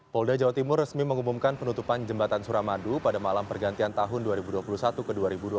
polda jawa timur resmi mengumumkan penutupan jembatan suramadu pada malam pergantian tahun dua ribu dua puluh satu ke dua ribu dua puluh satu